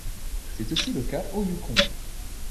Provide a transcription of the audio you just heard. C'est aussi le cas au Yukon.